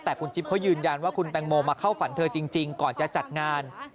แต่คุณจิ๊บเขายืนยันว่าคุณแตงโมมาเข้าฝันเธอจริงก่อนจะจัดงาน